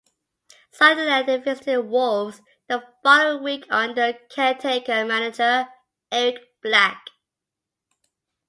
Sunderland visited Wolves the following week under caretaker manager Eric Black.